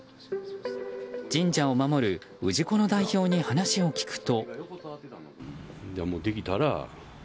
神社を守る氏子の代表に話を聞くと。